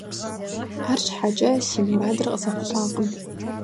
АрщхьэкӀэ си мурадыр къызэхъулӀакъым.